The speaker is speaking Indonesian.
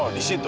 oh di situ